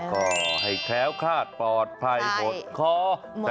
ก็ให้แคล้วคลาดปลอดภัยหมดคอ